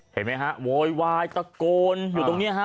เห็นไหมฮะโวยวายตะโกนอยู่ตรงนี้ฮะ